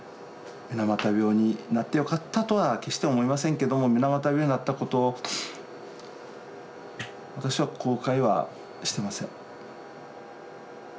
水俣病になってよかったとは決して思いませんけども水俣病になったことを私は後悔はしてません。